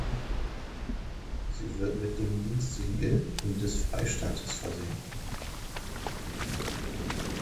Sie wird mit dem Dienstsiegel des Freistaates versehen.